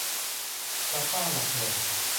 หลักบ้านหลักเมือง